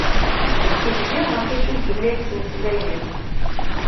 Gziɣ ɣef acu i yella yettmeslay-d.